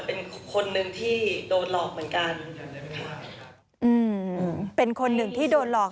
เป็นคนหนึ่งที่โดนหลอก